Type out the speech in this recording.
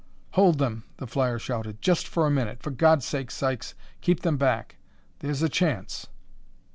"Hold them," the flyer shouted, "just for a minute! For God's sake, Sykes, keep them back! There's a chance!"